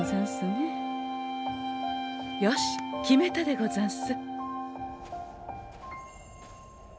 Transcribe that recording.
よし決めたでござんす！